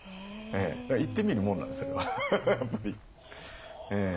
だから言ってみるもんなんですそれは。